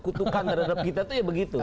kutukan terhadap kita itu ya begitu